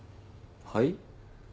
はい？